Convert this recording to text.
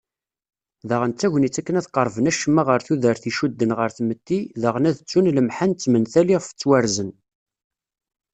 Daɣen d tagnit akken ad qerben acemma ɣer tudert icudden ɣer tmetti daɣen ad ttun lemḥan d tmental iɣef ttwarzen.